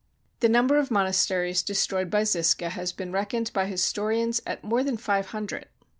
The number of monasteries destroyed by Zisca has been reckoned by historians at more than five hundred.